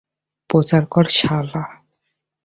প্রচার কর, শালা!